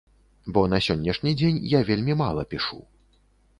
Бо на сённяшні дзень я вельмі мала пішу.